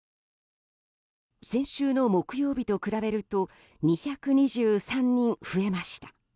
先週の木曜日と比べると２２３人増えました。